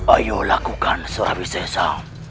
ayo lakukan surawi seja